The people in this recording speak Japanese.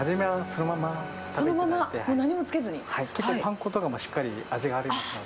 結構パン粉とかにもしっかり味がありますので。